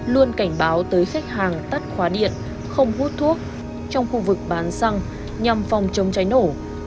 luôn cảnh báo tới khách hàng tắt khóa điện không hút thuốc trong khu vực bán xăng nhằm phòng chống cháy nổ